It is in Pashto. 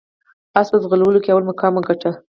اس په ځغلولو کې لومړی مقام وګاټه.